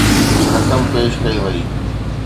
رقم پيش ڪئي وئي.